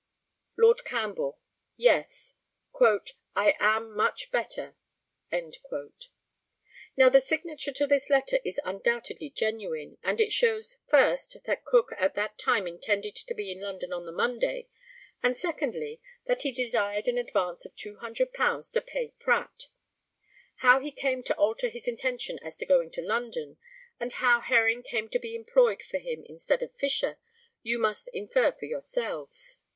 Lord CAMPBELL. Yes. "I am much better." Now, the signature to this letter is undoubtedly genuine, and it shows, first, that Cook at that time intended to be in London on the Monday, and, secondly, that he desired an advance of £200 to pay Pratt. How he came to alter his intention as to going to London, and how Herring came to be employed for him instead of Fisher, you must infer for yourselves.